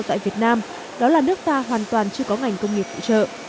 tại việt nam đó là nước ta hoàn toàn chưa có ngành công nghiệp phụ trợ